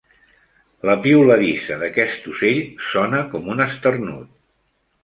La piuladissa d'aquest ocell sona com un esternut.